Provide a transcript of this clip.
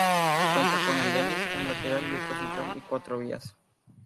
Cuenta con dos andenes, un lateral y otro central y cuatro vías.